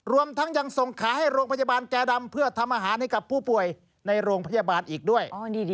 รวมทั้งยังส่งขายให้โรงพยาบาลแก่ดำเพื่อทำอาหารให้กับผู้ป่วยในโรงพยาบาลอีกด้วย